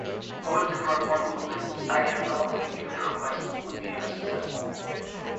Owing to the reform movement, Stigand probably knew the request would be unsuccessful.